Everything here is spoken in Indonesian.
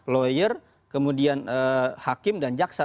lawyer kemudian hakim dan jaksa